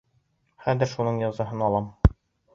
Хәҙер шуның язаһын алам.